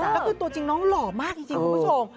แล้วคือตัวจริงน้องหล่อมากจริงคุณผู้ชม